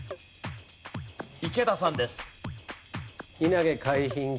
池田さんです。